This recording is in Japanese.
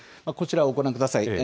こちらをご覧ください。